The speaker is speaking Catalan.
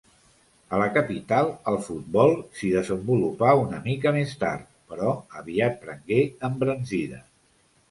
A la capital, el futbol s'hi desenvolupà una mica més tard, però aviat prengué embranzida.